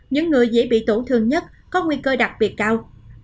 những người dễ bị tổn thương nhất có nguy cơ đặc biệt cao